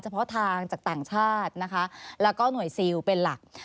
เพาะทางจากต่างชาตินะคะแล้วก็หน่วยซิลเป็นหลัก